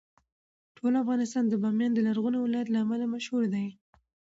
ټول افغانستان د بامیان د لرغوني ولایت له امله مشهور دی.